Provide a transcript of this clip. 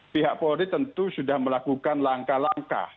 pihak polri tentu sudah melakukan langkah langkah